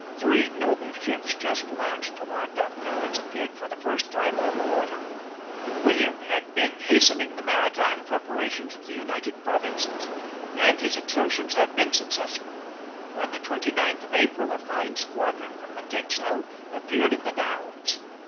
Three noble ships, just launched from our dockyards, appeared for the first time on the water. William had been hastening the maritime preparations of the United Provinces; and his exertions had been successful. On the twenty ninth of April a fine squadron from the Texel appeared in the Downs.